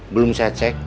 belum saya cek